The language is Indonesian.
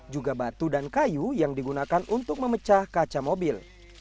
juga batu dan kayu yang digunakan untuk memecah kaca mobil